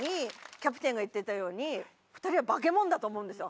キャプテンが言ってたように２人はバケモンだと思うんですよ